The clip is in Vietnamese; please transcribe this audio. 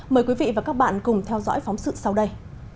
mời quý vị và các bạn cùng theo dõi phóng sự sau đây